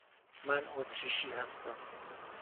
من اتریشی هستم.